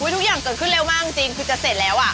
ทุกอย่างเกิดขึ้นเร็วมากจริงคือจะเสร็จแล้ว